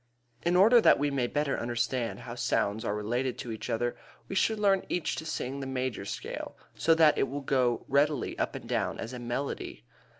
In order that we may better understand how sounds are related to each other we should learn early to sing the major scale so that it will go readily up and down as a melody.